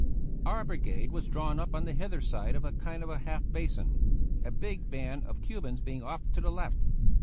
Our brigade was drawn up on the hither side of a kind of half basin, a big band of Cubans being off to the left.